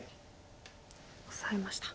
オサえました。